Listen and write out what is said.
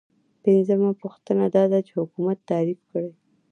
پنځمه پوښتنه دا ده چې حکومت تعریف کړئ.